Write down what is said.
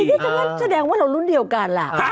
เฮ้ยที่สมมติแสดงว่าเรารุ่นเดียวกันล่ะ